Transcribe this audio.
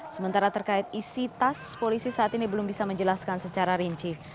sementara terkait isi tas polisi saat ini belum bisa menjelaskan secara rinci